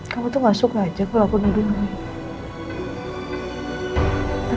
kamu tuh gak suka aja kalau aku nuduh nuduh